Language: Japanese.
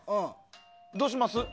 どうします？